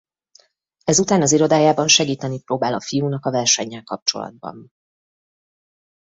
Ezután az irodájában segíteni próbál a fiúnak a versennyel kapcsolatban.